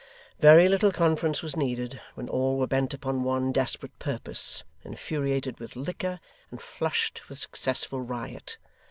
Very little conference was needed, when all were bent upon one desperate purpose, infuriated with liquor, and flushed with successful riot.